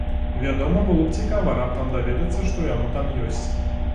Вядома, было б цікава раптам даведацца, што яно там ёсць.